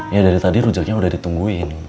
ya dari tadi rujaknya udah ditungguin